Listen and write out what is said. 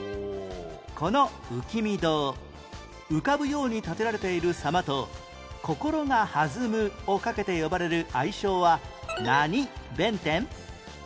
この浮御堂浮かぶように建てられている様と心がはずむを掛けて呼ばれる愛称は何弁天？